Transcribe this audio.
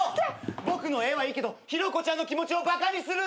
僕の絵はいいけどヒロコちゃんの気持ちをバカにするな！